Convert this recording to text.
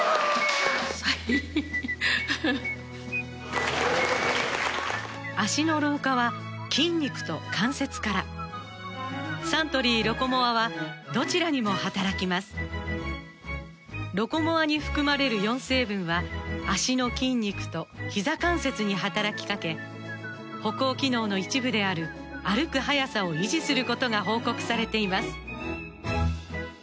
はい・脚の老化は筋肉と関節からサントリー「ロコモア」はどちらにも働きます「ロコモア」に含まれる４成分は脚の筋肉とひざ関節に働きかけ歩行機能の一部である歩く速さを維持することが報告されています